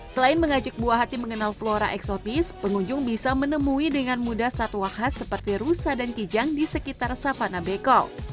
selain mengajak buah hati mengenal flora eksotis pengunjung bisa menemui dengan mudah satwa khas seperti rusa dan kijang di sekitar savana bekol